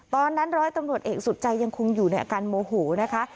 ร้อยตำรวจเอกสุดใจยังคงอยู่ในอาการโมโหนะคะ